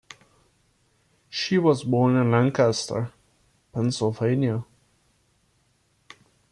She was born in Lancaster, Pennsylvania.